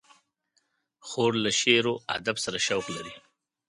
خور له شعر و ادب سره شوق لري.